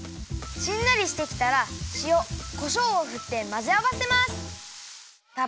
しんなりしてきたらしおこしょうをふってまぜあわせます。